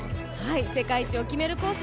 世界一を決めるコース